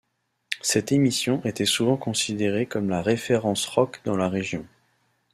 Cette émission était souvent considérée comme la référence rock dans la région.